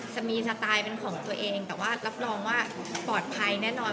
จะมีสไตล์เป็นของตัวเองแต่ว่ารับรองว่าปลอดภัยแน่นอน